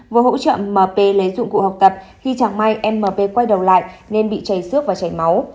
vừa hỗ trợ mp lấy dụng cụ học tập khi chẳng may mp quay đầu lại nên bị chảy xước và chảy máu